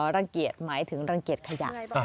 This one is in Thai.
รังเกียจหมายถึงรังเกียจขยะ